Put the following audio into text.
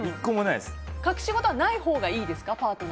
隠し事はないほうがいいですか